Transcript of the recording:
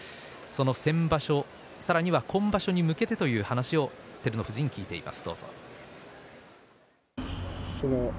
先場所、さらには今場所に向けてという話を聞いています。